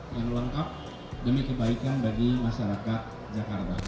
yang lengkap demi kebaikan bagi masyarakat jakarta